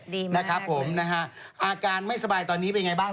ดีมากนะครับผมนะฮะอาการไม่สบายตอนนี้เป็นไงบ้าง